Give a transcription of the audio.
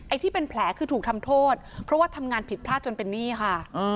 ที่เป็นแผลคือถูกทำโทษเพราะว่าทำงานผิดพลาดจนเป็นหนี้ค่ะ